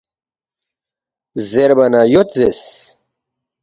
زیربا نہ ”یود“ زیرس